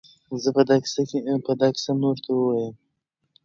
زه به دا کیسه نورو ته ووایم.